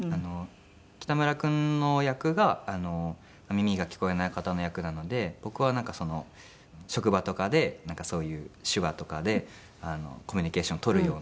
北村君の役が耳が聞こえない方の役なので僕は職場とかでそういう手話とかでコミュニケーションを取るような役なので。